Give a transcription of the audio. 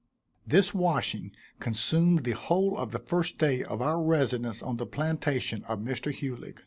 This washing consumed the whole of the first day of our residence on the plantation of Mr. Hulig.